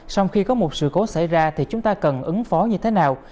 sau khi có một sự cố xảy ra thì chúng ta cần ứng phó như thế nào